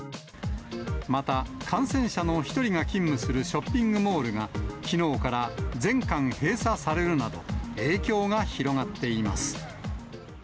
また、感染者の１人が勤務するショッピングモールが、きのうから全館閉鎖されるなど、影響が広がっています。